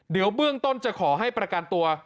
เดี๋ยวเบื้องต้นจะขอให้ประกันตัว